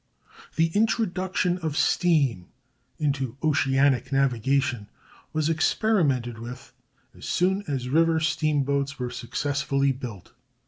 The introduction of steam into oceanic navigation was experimented with as soon as river steamboats were successfully built.